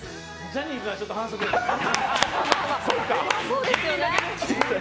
ジャニーズはちょっと反則ですね。